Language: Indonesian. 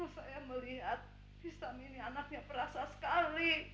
karena saya melihat mistam ini anaknya perasa sekali